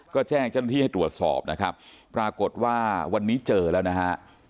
ก็แจ้งเจ้าหน้าที่ให้ตรวจสอบนะครับปรากฏว่าวันนี้เจอแล้วนะฮะ